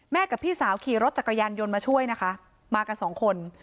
กับพี่สาวขี่รถจักรยานยนต์มาช่วยนะคะมากันสองคน